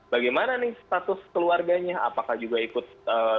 bagaimana nih status keluarganya apakah juga ikut